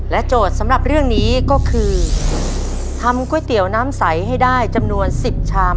โจทย์สำหรับเรื่องนี้ก็คือทำก๋วยเตี๋ยวน้ำใสให้ได้จำนวนสิบชาม